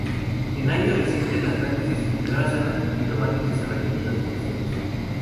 En años recientes, las grandes distribuidoras han adquirido varios desarrolladores terceros.